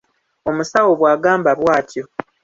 Omusawo bwagamba bwatyo.